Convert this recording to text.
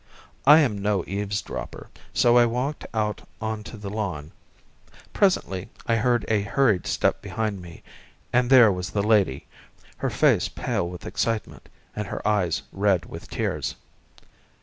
I am no eavesdropper, so I walked out on to the lawn. Presently I heard a hurried step behind me, and there was the lady, her face pale with excitement, and her eyes red with tears.